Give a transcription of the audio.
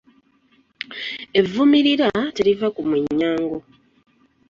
Evvumirira teriva ku mwennyango.